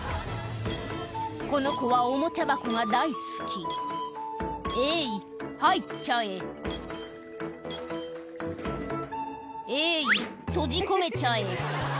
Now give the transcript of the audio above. この子はおもちゃ箱が大好き「えい入っちゃえ」「えい閉じ込めちゃえ」